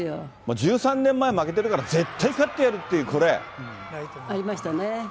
１３年前負けてるから絶対勝ってやるっていう、ありましたね。